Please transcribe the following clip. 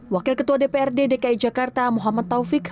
wakil ketua dprd dki jakarta muhammad taufik